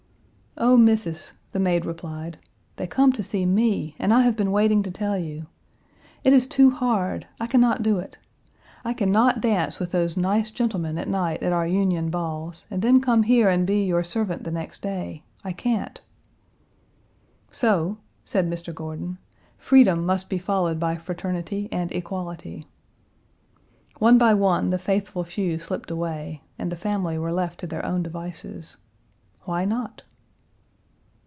"Oh, Missis!" the maid replied, "they come to see me, and I have been waiting to tell you. It is too hard! I can not do it! I can not dance with those nice gentlemen at night at our Union Balls and then come here and be your servant the next day. I can't!" "So," said Mr. Gordon, "freedom must be followed by fraternity and equality." One by one the faithful few slipped away and the family were left to their own devices. Why not?